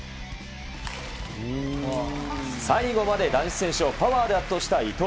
最後まで男子選手をパワーで圧倒した伊藤。